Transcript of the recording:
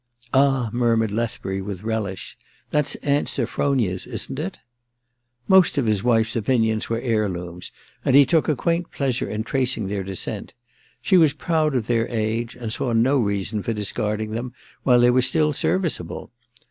* Ah,' murmured Lethbury with relish, * that's your Aunt Sophronia's, isn't it ?' Most of his wife's opinions were heirlooms, and he took a quaint pleasure in tracing their descent. She was proud of their age, and saw no reason for discarding them while they were still serviceable.